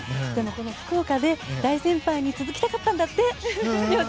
福岡で大先輩に続きたかったんだって。